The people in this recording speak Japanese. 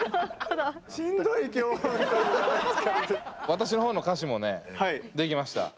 私の方の歌詞もね出来ました。